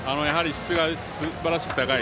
質がすばらしく高い。